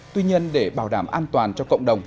tuy nhiên để bảo đảm an toàn cho cộng đồng